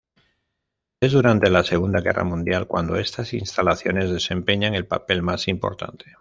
Es durante la Segunda Guerra Mundial cuando estas instalaciones desempeñan el papel más importante.